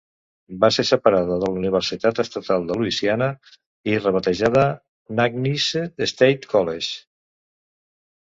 Va ser separada de la Universitat Estatal de Louisiana i rebatejada McNeese State College.